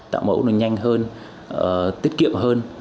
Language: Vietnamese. tạo mẫu nó nhanh hơn tiết kiệm hơn